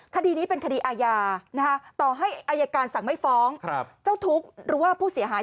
คดีนี้เป็นคดีอาญาต่อให้อายการสั่งไม่ฟ้องเจ้าทุกข์หรือว่าผู้เสียหาย